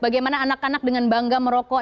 bagaimana anak anak dengan bangga merokok